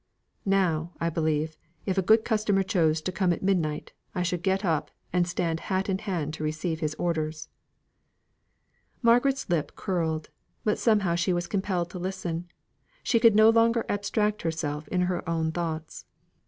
Now, I believe, if a good customer chose to come at midnight, I should get up, and stand hat in hand to receive his orders." Margaret's lip curled, but somehow she was compelled to listen; she could no longer abstract herself in her own thoughts.